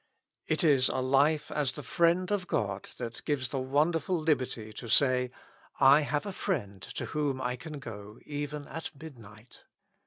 It is a life as the friend of God that gives the wonderful liberty to say, I have a friend to whom I can go even at mid night.